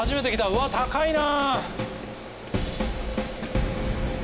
うわ、高いな。